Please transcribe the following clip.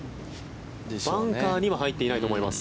バンカーには入っていないと思います。